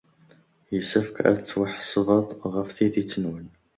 Yessefk ad tettwaḥasbemt ɣef tiddit-nwent.